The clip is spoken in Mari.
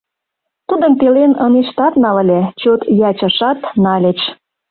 Тудым пелен ынештат нал ыле, чот ячышат, нальыч.